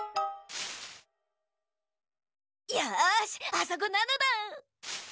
よしあそこなのだ。